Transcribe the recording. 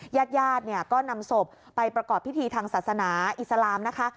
ญาติญาติเนี่ยก็นำศพไปประกอบพิธีทางศาสนาอิสลามนะคะ